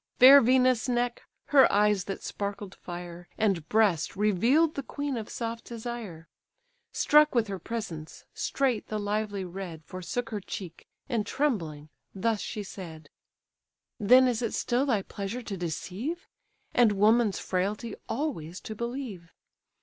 Fair Venus' neck, her eyes that sparkled fire, And breast, reveal'd the queen of soft desire. Struck with her presence, straight the lively red Forsook her cheek; and trembling, thus she said: "Then is it still thy pleasure to deceive? And woman's frailty always to believe!